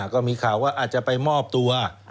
ก็มีข่าวว่าอาจจะไปมอบตัว